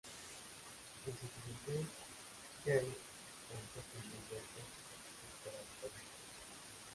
En su juventud, Kaye comenzó a escribir versos esporádicamente.